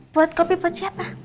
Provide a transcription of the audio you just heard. buat kopi buat siapa